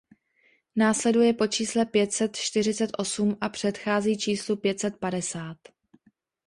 Následuje po čísle pět set čtyřicet osm a předchází číslu pět set padesát.